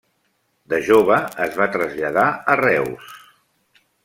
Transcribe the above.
De jove es va traslladar a Reus.